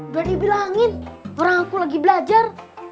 berani bilangin orang aku lagi belajar